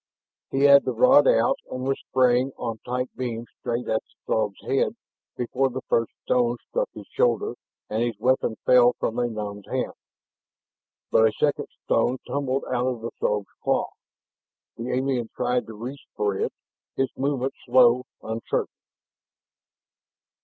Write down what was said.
He had the rod out and was spraying on tight beam straight at the Throg's head before the first stone struck his shoulder and his weapon fell from a numbed hand. But a second stone tumbled out of the Throg's claw. The alien tried to reach for it, his movements slow, uncertain.